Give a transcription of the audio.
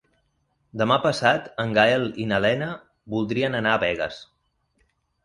Demà passat en Gaël i na Lena voldrien anar a Begues.